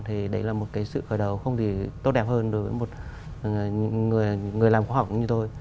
thì đấy là một cái sự khởi đầu không thể tốt đẹp hơn đối với một người làm khoa học cũng như tôi